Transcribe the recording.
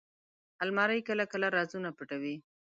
الماري کله کله رازونه پټوي